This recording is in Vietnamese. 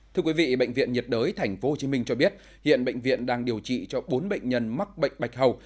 thưa quý vị bệnh viện nhiệt đới tp hcm cho biết hiện bệnh viện đang điều trị cho bốn bệnh nhân mắc bệnh bạch hầu